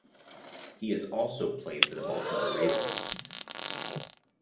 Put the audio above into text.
He has also played for the Baltimore Ravens.